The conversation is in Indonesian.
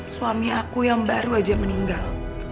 suami aku yang baru saja meninggal